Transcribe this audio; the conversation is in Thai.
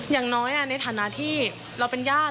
อย่างน้อยในฐานะที่เราเป็นญาติ